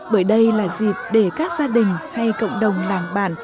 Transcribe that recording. bởi đây là dịp để các gia đình hay cộng đồng làng bản